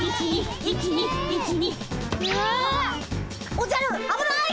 おじゃるあぶない！